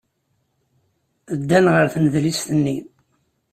Ddan ɣer tnedlist-nni.